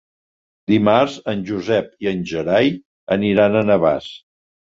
Dimarts en Josep i en Gerai aniran a Navàs.